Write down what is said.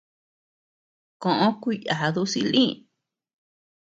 Koʼö kuyadu silï.